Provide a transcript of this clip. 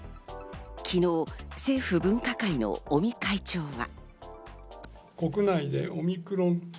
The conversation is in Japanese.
昨日、政府分科会の尾身会長は。